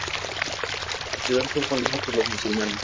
La ciudad fue fundada por los musulmanes.